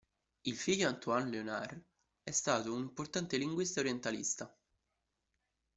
Il figlio Antoine-Léonard è stato un importante linguista e orientalista.